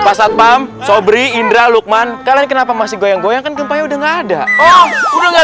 pasat pam sobri indra lukman kalian kenapa masih goyang goyang kan kembali udah nggak ada udah nggak